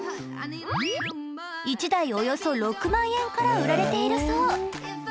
１台およそ６万円から売られているそう。